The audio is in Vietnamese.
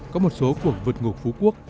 có một số cuộc vượt ngục phú quốc